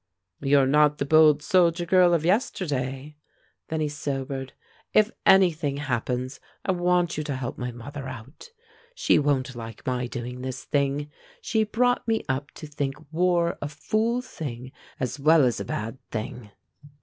"You're not the bold soldier girl of yesterday!" Then he sobered. "If anything happens, I want you to help my mother out. She won't like my doing this thing. She brought me up to think war a fool thing as well as a bad thing.